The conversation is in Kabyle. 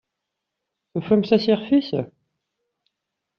Tufamt-as ixf-is?